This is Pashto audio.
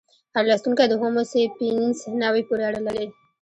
هر لوستونکی د هومو سیپینز نوعې پورې اړه لري.